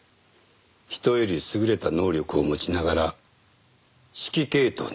人より優れた能力を持ちながら指揮系統に従わない者だ。